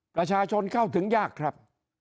ประชาชนเข้าถึงยากครับ